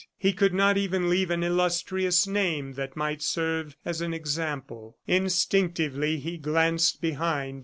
He could not even leave an illustrious name that might serve as an example. Instinctively he glanced behind.